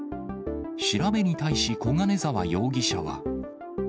調べに対し、小金沢容疑者は。